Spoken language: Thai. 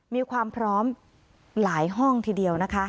มีความพร้อมหลายห้องทีเดียวนะคะ